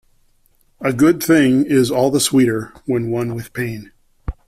A good thing is all the sweeter when won with pain.